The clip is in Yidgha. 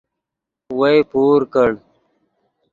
وئے پور کڑ